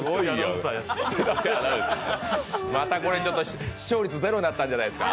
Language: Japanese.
また、これ視聴率ゼロになったんじゃないですか？